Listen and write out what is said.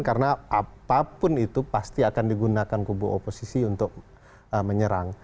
karena apapun itu pasti akan digunakan kubu oposisi untuk menyerang